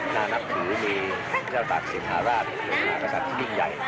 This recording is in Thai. นานับถือมีเจ้าตากสินภาราชหรือหัวข้าสัตว์ที่ยิ่งใหญ่